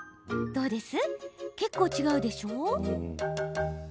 どうです、結構違うでしょ？